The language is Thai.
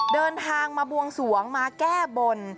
เดินทางมาบวงสวงมาแก้บน